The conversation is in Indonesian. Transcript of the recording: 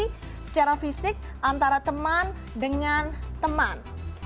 boleh ada interaksi secara fisik antara teman dengan teman